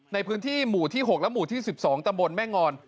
ในพื้นที่หมู่ที่๖และหมู่ที่๑๒ตำบลแม่งอน